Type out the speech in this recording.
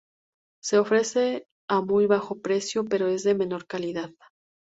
Se ofrece a muy bajo precio, pero es de menor calidad.